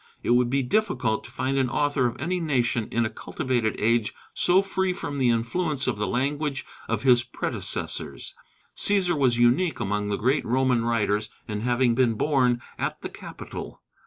It would be difficult to find an author of any nation in a cultivated age so free from the influence of the language of his predecessors. Cæsar was unique among the great Roman writers in having been born at the capital.